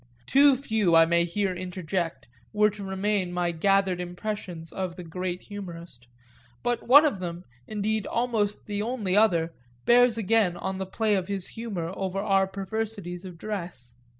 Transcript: Too few, I may here interject, were to remain my gathered impressions of the great humourist, but one of them, indeed almost the only other, bears again on the play of his humour over our perversities of dress.